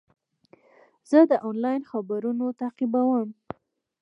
زه د انلاین خپرونه تعقیبوم.